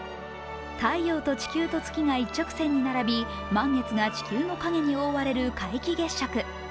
太陽と地球と月が一直線に並び満月が地球の影に覆われる皆既月食。